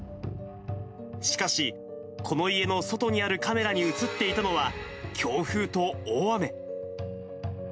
しかし、この家の外にあるカメラに写っていたのは、強風と大雨。